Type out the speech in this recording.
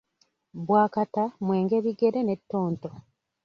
Bbwakata, mwenge bigere ne ttonto.